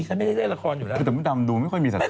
แต่อยู่วันหนึ่งไงเจ้าแม่ก้อตีกับใครละ